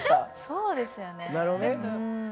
そうですよねうん。